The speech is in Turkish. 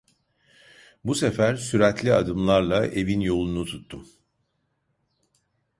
Bu sefer süratli adımlarla evin yolunu tuttum.